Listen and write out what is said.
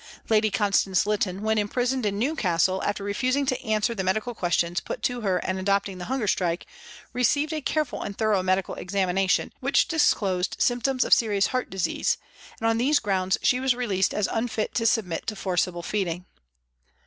Lady Constance Lytton, when imprisoned in Newcastle, after refusing to answer the medical questions put to her and adopting the hunger strike, received a careful and thorough medical examination, which disclosed symptoms of ' serious heart disease,' and on these grounds she was released as unfit to submit to forcible feeding.